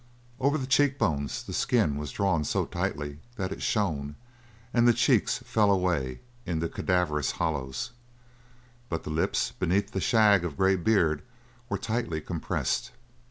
Over the cheek bones the skin was drawn so tightly that it shone, and the cheeks fell away into cadaverous hollows. But the lips, beneath the shag of grey beard, were tightly compressed.